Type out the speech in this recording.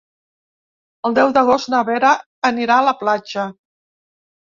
El deu d'agost na Vera anirà a la platja.